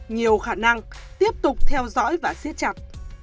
nhiều khả năng tiếp tục theo dõi và siết chặt